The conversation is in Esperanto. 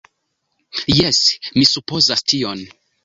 Jes, mi supozas tion